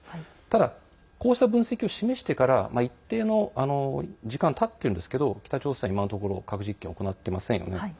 ただ、こうした分析を示してから一定の時間がたっているんですけど北朝鮮、今のところ核実験行ってませんよね。